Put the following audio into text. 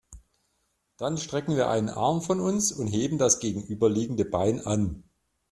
Dann strecken wir einen Arm von uns und heben das gegenüberliegende Bein an.